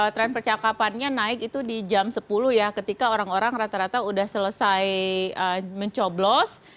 tren percakapannya naik itu di jam sepuluh ya ketika orang orang rata rata udah selesai mencoblos